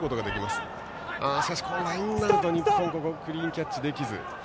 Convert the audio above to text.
しかしラインアウト日本、クリーンキャッチできず。